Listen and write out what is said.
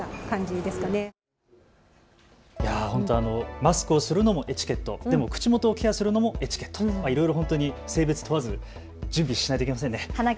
マスクをつるのもエチケット、口元をケアするのもエチケット、いろいろ性別問わずに準備しないといけませんね。